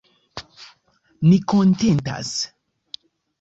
Ni kontentas.